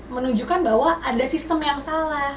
menunjukkan bahwa ada sistem yang salah